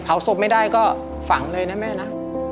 ศพไม่ได้ก็ฝังเลยนะแม่นะ